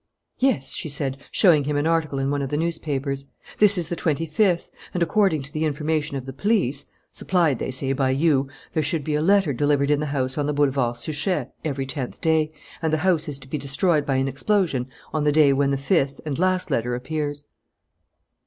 "Yes," she said, showing him an article in one of the newspapers. "This is the twenty fifth; and, according to the information of the police, supplied, they say, by you, there should be a letter delivered in the house on the Boulevard Suchet every tenth day, and the house is to be destroyed by an explosion on the day when the fifth and last letter appears."